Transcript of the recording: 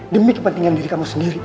demi kepentingan diri kamu sendiri